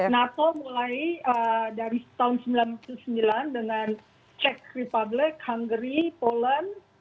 nato mulai dari tahun sembilan puluh sembilan dengan czech republic hungary poland